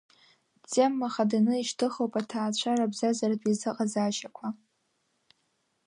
Тема хаданы ишьҭыхуп аҭаацәара-бзазаратә еизыҟазаашьақәа.